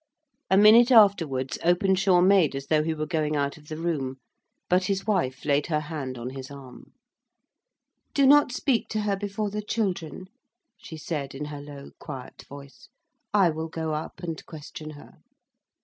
A minute afterwards Openshaw made as though he were going out of the room; but his wife laid her hand on his arm: "Do not speak to her before the children," she said, in her low, quiet voice. "I will go up and question her."